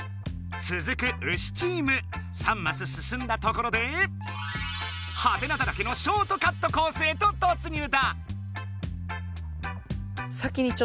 つづくウシチーム３マスすすんだところで「？」だらけのショートカットコースへととつ入だ！